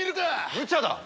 むちゃだ！